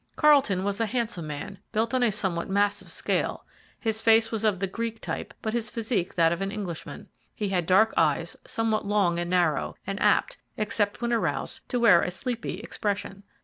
Carlton was a handsome man, built on a somewhat massive scale. His face was of the Greek type, but his physique that of an Englishman. He had dark eyes, somewhat long and narrow, and apt, except when aroused, to wear a sleepy expression.